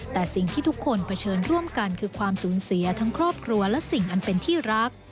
แต่สิ่งที่ทุกคนเผชิญร่วมกันคือความสูญเสียทั้งครอบครัวและสิ่งอันเป็นที่รัก